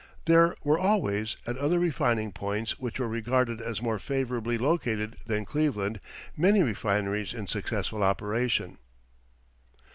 There were always, at other refining points which were regarded as more favourably located than Cleveland, many refineries in successful operation.